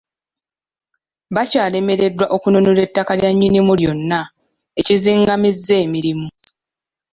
Bakyalemeddwa okununula ettaka lya Nnyinimu lyonna, ekizing'amizza emirimu.